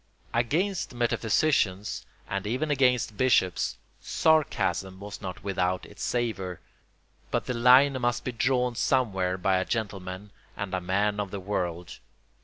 Against metaphysicians, and even against bishops, sarcasm was not without its savour; but the line must be drawn somewhere by a gentleman and a man of the world.